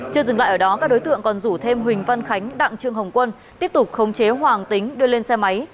chưa dừng lại ở đó các đối tượng còn rủ thêm huỳnh văn khánh đặng trương hồng quân tiếp tục khống chế hoàng tính đưa lên xe máy